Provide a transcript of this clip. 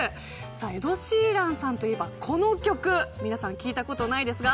エド・シーランさんといえばこの曲皆さん聞いたことないですか。